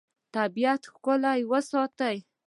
طبیعت ښکلی وساته.